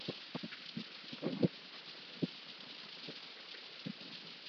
তাঁর বিরুদ্ধে জারি হওয়া পরোয়ানা অনুযায়ী তিনি ভদ্রলোকের মতো আদালতে আত্মসমর্পণ করবেন।